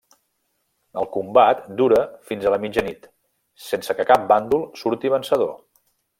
El combat dura fins a la mitjanit, sense que cap bàndol surti vencedor.